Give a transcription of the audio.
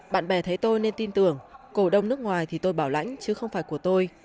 bạn bè thấy tôi nên tin tưởng cổ đông nước ngoài thì tôi bảo lãnh chứ không phải của tôi